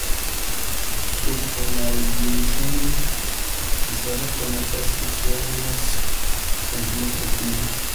سوپرایلیویشن د سرک په مرکز کې څوارلس سانتي متره کیږي